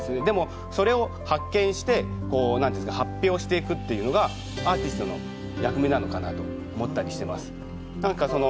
でもそれを発見してこう何て言うんですか発表していくっていうのがアーティストの役目なのかなと思ったりしてます。